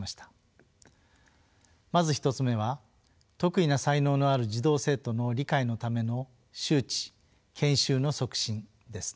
まず１つ目は特異な才能のある児童生徒の理解のための周知・研修の促進です。